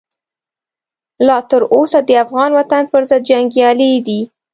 لا تر اوسه د افغان وطن پرضد جنګیالي دي.